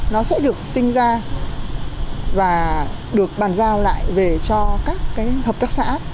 nó sẽ được sinh ra và được bàn giao lại về cho các cái hợp tác xã